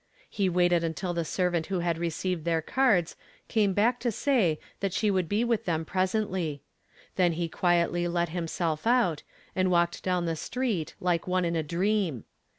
He waited until the servant who had received their cards came back to say that she would be with them presently; then he quietly let himself out, and walked down the street like one in a dream.